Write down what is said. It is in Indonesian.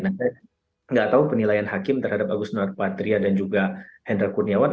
nah saya tidak tahu penilaian hakim terhadap agus noor patria dan juga hendra kuniawan